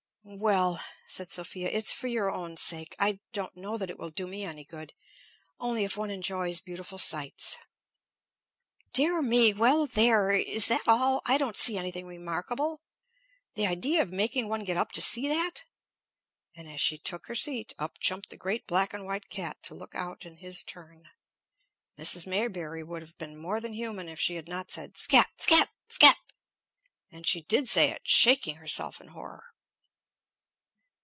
"Well," said Sophia. "It's for your own sake. I don't know that it will do me any good. Only if one enjoys beautiful sights." "Dear me! Well, there! Is that all? I don't see anything remarkable. The idea of making one get up to see that!" And as she took her seat, up jumped the great black and white cat to look out in his turn. Mrs. Maybury would have been more than human if she had not said "Scat! scat! scat!" and she did say it, shaking herself in horror.